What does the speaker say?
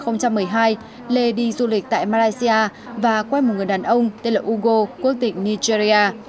năm hai nghìn một mươi hai lê đi du lịch tại malaysia và quay một người đàn ông tên là googo quốc tịch nigeria